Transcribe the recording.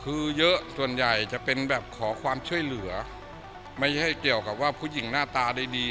คือเยอะส่วนใหญ่จะเป็นแบบขอความช่วยเหลือไม่ใช่เกี่ยวกับว่าผู้หญิงหน้าตาดี